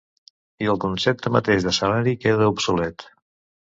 I el concepte mateix de salari queda obsolet.